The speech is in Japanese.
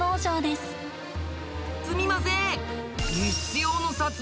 すみません！